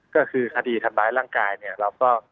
ก็คือคดีทำร้ายล่ะครับ